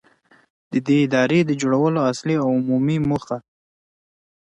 ، د دې ادارې د جوړولو اصلي او عمومي موخه.